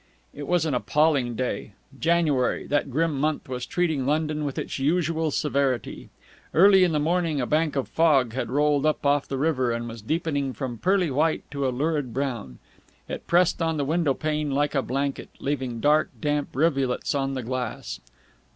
It was an appalling day. January, that grim month, was treating London with its usual severity. Early in the morning a bank of fog had rolled up off the river, and was deepening from pearly white to a lurid brown. It pressed on the window pane like a blanket, leaving dark, damp rivulets on the glass.